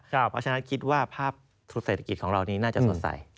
เพราะฉะนั้นคิดว่าภาพเศรษฐกิจของเรานี้น่าจะสดใส